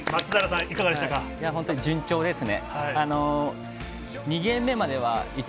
本当に順調ですね。